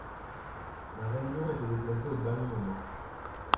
La réunion a été déplacée au dernier moment.